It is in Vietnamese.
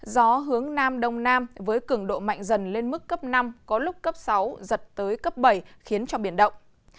gió hướng nam đông nam với cường độ mạnh dần lên mức cấp năm có lúc cấp sáu giật tới cấp bảy khiến cho biển động